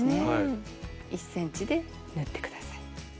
１ｃｍで縫って下さい。